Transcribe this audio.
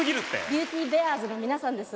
ビューティーベアーズの皆さんです。